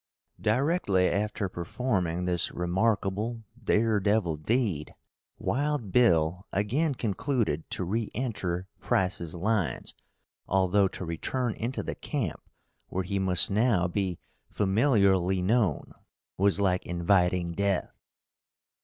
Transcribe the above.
Directly after performing this remarkable dare devil deed "Wild Bill" again concluded to re enter Price's lines, although to return into the camp where he must now be familiarly known, was like inviting death.